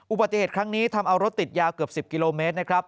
อุบัติเหตุครั้งนี้ทำเอารถติดยาวเกือบ๑๐กิโลเมตรนะครับ